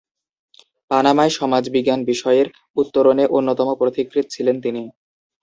পানামায় সমাজবিজ্ঞান বিষয়ের উত্তরণে অন্যতম পথিকৃৎ ছিলেন তিনি।